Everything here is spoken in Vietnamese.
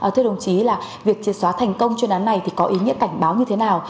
thưa đồng chí là việc triệt xóa thành công chuyên án này thì có ý nghĩa cảnh báo như thế nào